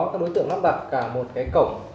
các đối tượng nắp đặt cả một cái cổng